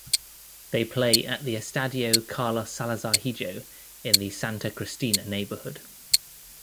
They play at the Estadio Carlos Salazar Hijo in the Santa Cristina neighbourhood.